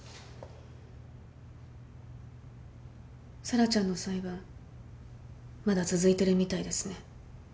沙羅ちゃんの裁判まだ続いてるみたいですね。